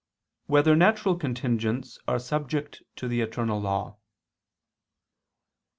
5] Whether Natural Contingents Are Subject to the Eternal Law?